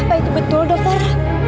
apa itu betul dokter